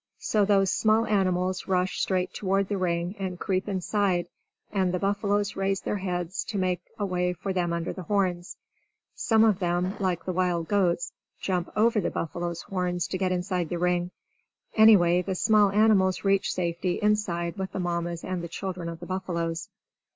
So those small animals rush straight toward the ring and creep inside and the buffaloes raise their heads to make a way for them under the horns. Some of them, like the wild goats, jump over the buffaloes' horns to get inside the ring. Anyway, the small animals reach safety inside with the Mammas and the children of the buffaloes.